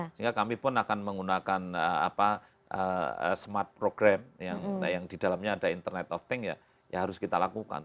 sehingga kami pun akan menggunakan smart program yang di dalamnya ada internet of thing ya harus kita lakukan